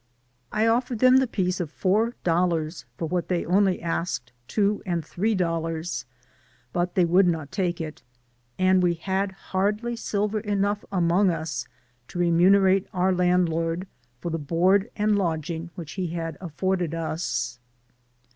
I offered them the piece of four dollars for what they only asked two and three dollars, but they would not take it ; and we had scarcely silver enough among us to remunerate our landlord for the board and lodging which he had afforded us.